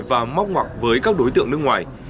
và móc ngoặc với các đối tượng nước ngoài